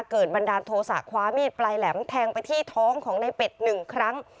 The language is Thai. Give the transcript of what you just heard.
บันดาลโทษะคว้ามีดปลายแหลมแทงไปที่ท้องของในเป็ดหนึ่งครั้ง